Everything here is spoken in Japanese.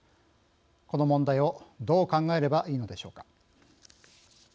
この問題をどう考えればいいのでしょうか。